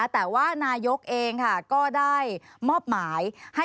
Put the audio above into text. แต่ว่านายกก็ได้มอบหมาย